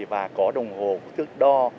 và có đồng hồ tước đo